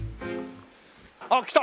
あっ来た！